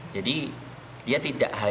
jadi dia tidak halus